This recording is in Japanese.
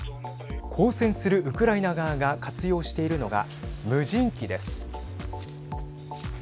抗戦するウクライナ側が活用しているのが無人機です。